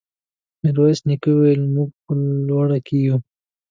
ميرويس نيکه وويل: موږ په لوړه کې يو.